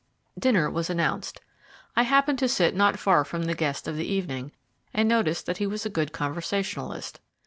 Dinner was announced. I happened to sit not far from the guest of the evening, and noticed that he was a good conversationalist.